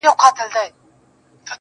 ه تا خو تل تر تله په خپگان کي غواړم.